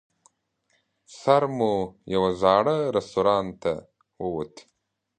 سر مو یوه زاړه رستورانت ته ووت.